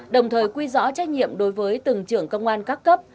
đồng thời quy rõ trách nhiệm đối với từng trưởng công an các cấp